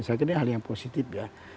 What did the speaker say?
saya kira ini hal yang positif ya